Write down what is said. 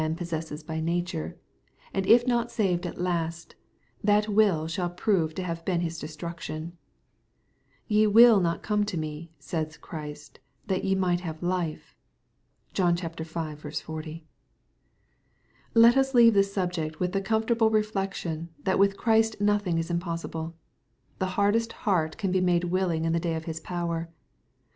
possesses by nature, and if not saved at last, that will shall prove to have been his destruction, k^ Ye will not come to me,'' says Christ, " that ye might have life.'^ (John v. 40.) Let us leave the subject with the comfortable reflec tion, that with Christ nothing is impossible. The hardest heart can be made willing in the day of His power.